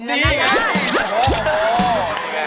นี่ค่ะนี่ค่ะ